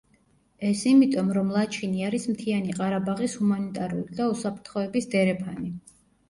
ეს იმიტომ, რომ ლაჩინი არის მთიანი ყარაბაღის ჰუმანიტარული და უსაფრთხოების დერეფანი.